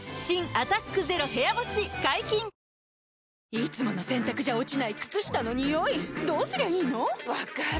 いつもの洗たくじゃ落ちない靴下のニオイどうすりゃいいの⁉分かる。